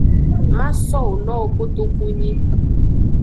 Ma sowo nowo kotunyi.